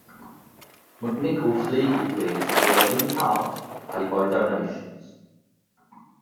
McNicol's legal fees were in part paid by donations.